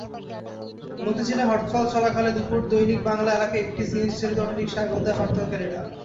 মতিঝিলহরতাল চলাকালে দুপুরে দৈনিক বাংলা এলাকায় একটি সিএনজিচালিত অটোরিকশায় আগুন দেয় হরতালকারীরা।